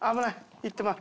行ってまう！